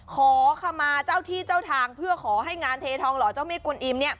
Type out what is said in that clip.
ขอขมาเจ้าที่เจ้าทางเพื่อขอให้งานเททองหล่อเจ้าแม่กวนอิม